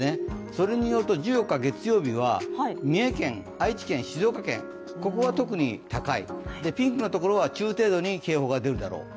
それによると、１４日月曜日は三重県、愛知県、静岡県ここが特に高い、ピンクのところは中程度に警報が出るだろうと。